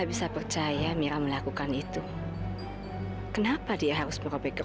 biar semua orang di rumah ini